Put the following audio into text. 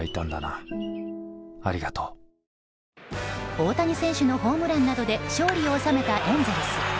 大谷選手のホームランなどで勝利を収めたエンゼルス。